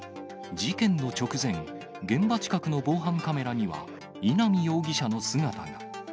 事件の直前、現場近くの防犯カメラには、稲見容疑者の姿が。